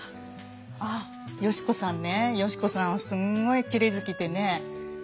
あ嘉子さんね嘉子さんはすんごいきれい好きでね。